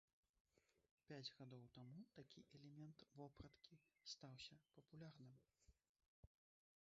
Пяць гадоў таму такі элемент вопраткі стаўся папулярным.